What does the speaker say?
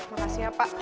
makasih ya pak